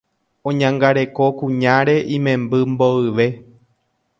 oñangareko kuñáre imemby mboyve